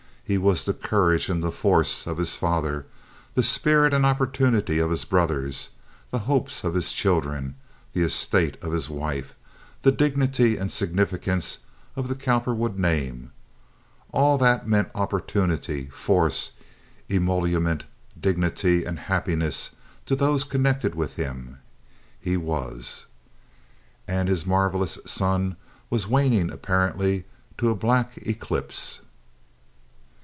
He was the courage and force of his father: the spirit and opportunity of his brothers, the hope of his children, the estate of his wife, the dignity and significance of the Cowperwood name. All that meant opportunity, force, emolument, dignity, and happiness to those connected with him, he was. And his marvelous sun was waning apparently to a black eclipse.